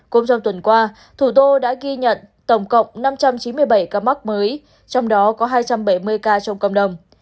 cũng trong tuần qua thủ đô đã ghi nhận tổng cộng năm trăm chín mươi bảy ca mắc mới trong đó có hai trăm bảy mươi ca trong cộng đồng